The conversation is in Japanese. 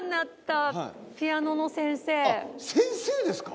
あっ先生ですか？